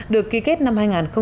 được ký kết năm hai nghìn bốn